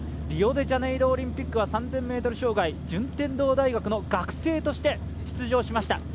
リオデジャネイロパラリンピックは３０００ｍ障害順天堂大学の学生として出場しました。